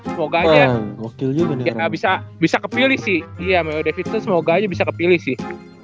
semoga aja bisa bisa kepilih sih iya mario davidson semoga aja bisa kepilih sih